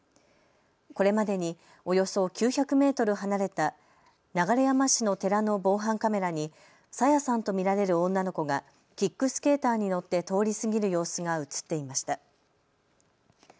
これまでにおよそ９００メートル離れた流山市の寺の防犯カメラに朝芽さんと見られる女の子がキックスケーターに乗って通り過ぎる様子が写っていました。